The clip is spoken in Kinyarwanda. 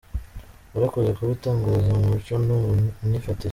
Warakoze kuba igitangaza mu mico no mu myifatire.